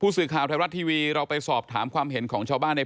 คือแค่รูปเรามาติดแค่นั้นเองแต่ว่าหมาตัวนี้อาจจะไม่โดนทำร้ายก็ได้